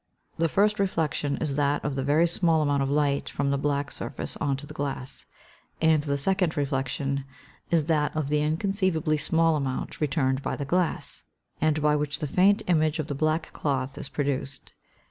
The first reflection is that of the very small amount of light from the black surface on to the glass, and the second reflection is that of the inconceivably small amount returned by the glass, and by which the faint image of the black cloth is produced.